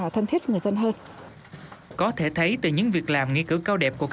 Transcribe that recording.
thật gần gùi âm áp